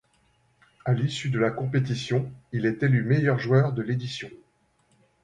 À l'issue de la compétition, il est élu meilleur joueur de l'édition.